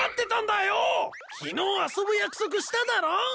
昨日遊ぶ約束しただろ！